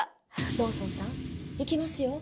ローソンさんいきますよ？